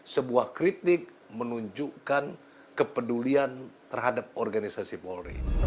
sebuah kritik menunjukkan kepedulian terhadap organisasi polri